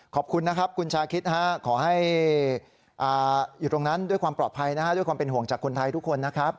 ขอบคุณนะครับคุณชาคิดขอให้อยู่ตรงนั้นด้วยความปลอดภัยนะฮะด้วยความเป็นห่วงจากคนไทยทุกคนนะครับ